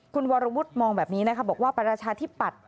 คุณวรวุฒิมองแบบนี้นะคะบอกว่าประชาธิปัตย